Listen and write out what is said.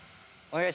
おい！